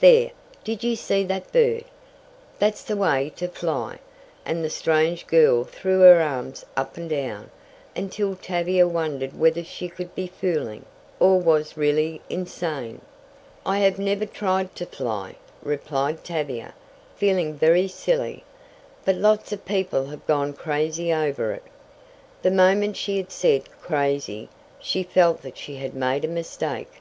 There, did you see that bird? That's the way to fly," and the strange girl threw her arms up and down, until Tavia wondered whether she could be fooling, or was really insane. "I have never tried to fly," replied Tavia, feeling very silly, "but lots of people have gone crazy over it." The moment she had said "crazy" she felt that she had made a mistake.